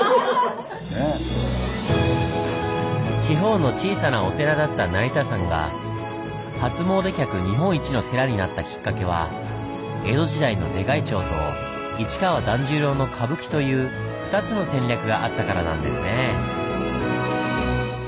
地方の小さなお寺だった成田山が初詣客日本一の寺になったきっかけは江戸時代の出開帳と市川團十郎の歌舞伎という２つの戦略があったからなんですね。